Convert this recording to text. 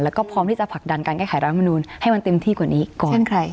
แล้วก็พร้อมที่จะผลักดันการแก้ไขรัฐมนูลให้มันเต็มที่กว่านี้ก่อน